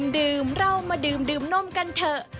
ดื่มเหล้ามาดื่มนมกันเถอะ